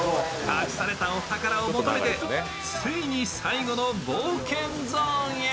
隠されたお宝を求めてついに最後の冒険ゾーンへ。